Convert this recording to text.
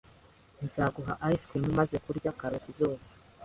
Nzaguha ice cream umaze kurya karoti zose.